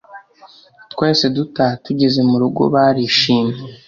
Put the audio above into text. twahise dutaha tugeze murugo barishimye